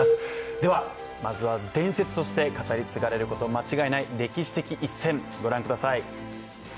では、まずは伝説として語り継がれること間違いない歴史的一戦、ご覧ください。